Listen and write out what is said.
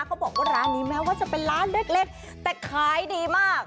เขาบอกว่าร้านนี้แม้ว่าจะเป็นร้านเล็กแต่ขายดีมาก